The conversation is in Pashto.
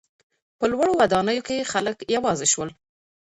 په لوړو ودانیو کې خلک یوازې سول.